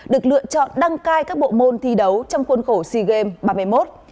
được lựa chọn đăng cai các bộ môn thi đấu trong khuôn khổ sea games ba mươi một